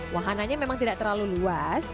wahananya memang tidak terlalu luas